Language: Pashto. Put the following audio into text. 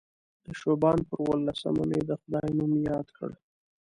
د شعبان پر اووه لسمه مې د خدای نوم یاد کړ.